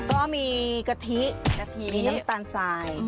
ก็มีกะทิมีน้ำตาลสาย